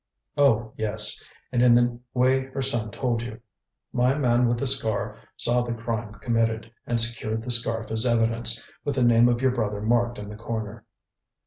"Oh, yes, and in the way her son told you. My man with the scar saw the crime committed, and secured the scarf, as evidence, with the name of your brother marked in the corner."